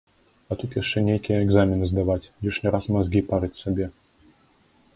А тут яшчэ нейкія экзамены здаваць, лішні раз мазгі парыць сабе.